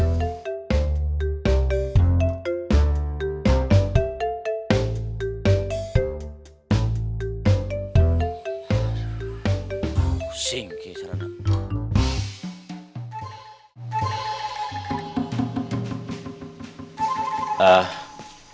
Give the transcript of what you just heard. puseng kisaran aku